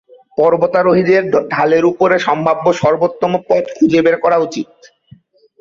পর্বতারোহীদের ঢালের ওপরে সম্ভাব্য সর্বোত্তম পথ খুঁজে বের করা উচিত।